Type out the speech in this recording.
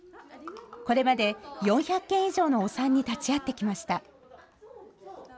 これまで４００件以上のお産に立ち会ってきました。